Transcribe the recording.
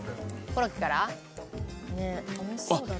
コロッケから？